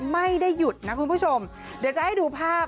ไม่ได้หยุดนะคุณผู้ชมเดี๋ยวจะให้ดูภาพ